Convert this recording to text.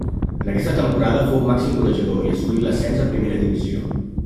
En aquesta temporada fou màxim golejador i assolí l'ascens a primera divisió.